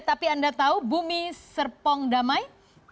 tapi anda tahu bumi serpong damai